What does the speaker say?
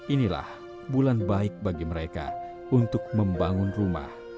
inilah bulan baik bagi mereka untuk membangun rumah